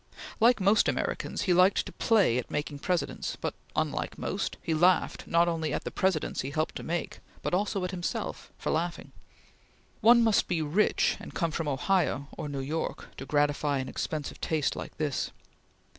Like most Americans, he liked to play at making Presidents, but, unlike most, he laughed not only at the Presidents he helped to make, but also at himself for laughing. One must be rich, and come from Ohio or New York, to gratify an expensive taste like this.